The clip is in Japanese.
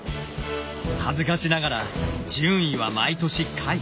恥ずかしながら順位は毎年下位。